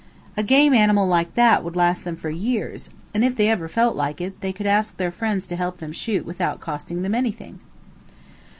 A game animal like that would last them for years, and if they ever felt like it, they could ask their friends to help them shoot without costing them anything."